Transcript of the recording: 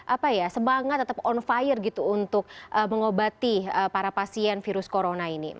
apa ya semangat tetap on fire gitu untuk mengobati para pasien virus corona ini